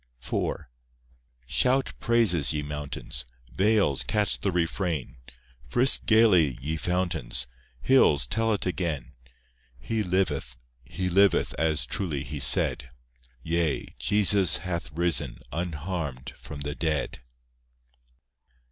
IV Shout praises, ye mountains, Vales catch the refrain; Frisk gaily, ye fountains; Hills, tell it again— He liveth, He liveth, As truly He said; Yea, Jesus hath risen Unharmed from the dead.